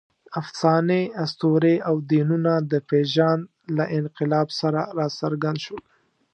افسانې، اسطورې او دینونه د پېژند له انقلاب سره راڅرګند شول.